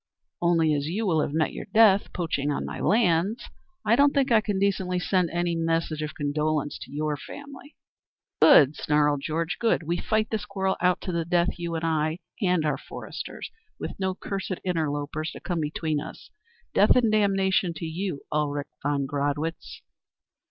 Only as you will have met your death poaching on my lands I don't think I can decently send any message of condolence to your family." "Good," snarled Georg, "good. We fight this quarrel out to the death, you and I and our foresters, with no cursed interlopers to come between us. Death and damnation to you, Ulrich von Gradwitz."